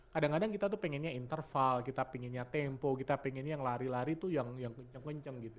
kadang kadang kita tuh pengennya interval kita pinginnya tempo kita pengennya yang lari lari tuh yang kenceng kenceng gitu